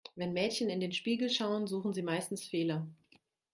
Wenn Mädchen in den Spiegel schauen, suchen sie meistens Fehler.